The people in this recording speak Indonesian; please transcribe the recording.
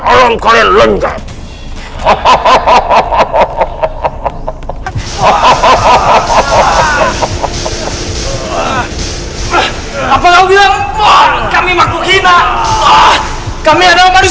aku akan menghantarkan kalian